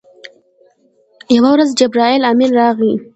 یوه ورځ جبرائیل امین راغی.